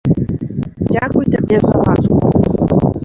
Дзякуй табе за ласку.